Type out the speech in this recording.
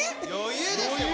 余裕ですよ